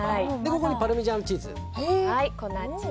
ここにパルメザンチーズ。